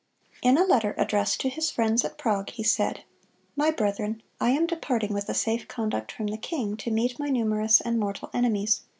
In a letter addressed to his friends at Prague he said: "My brethren, ... I am departing with a safe conduct from the king, to meet my numerous and mortal enemies....